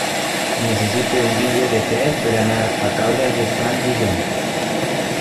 Necessito un bitllet de tren per anar a Caldes d'Estrac dilluns.